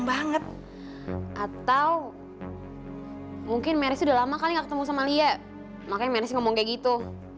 atau mungkin meris udah lama kali gak ketemu sama lia makanya meris ngomong kayak gitu